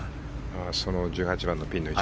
その１８番のピンの位置